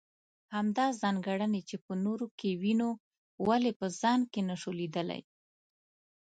همدا ځانګړنې چې په نورو کې وينو ولې په خپل ځان کې نشو ليدلی.